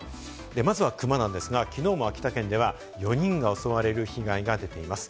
まずはクマなんですが、きのうも秋田県では４人が襲われる被害が出ています。